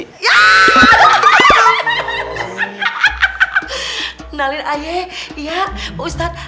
kenalin ayah ya pak ustadz